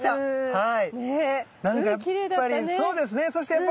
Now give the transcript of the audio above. はい。